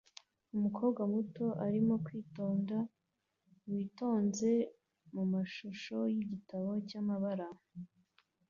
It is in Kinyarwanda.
Umukobwa muto arimo kwitonda yitonze mumashusho yigitabo cyamabara